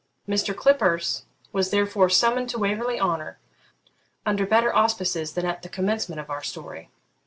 Mr. Clippurse was therefore summoned to Waverley Honour, under better auspices than at the commencement of our story.